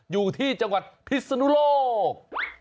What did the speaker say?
อยู่ที่จังหวัดพิศนุโลก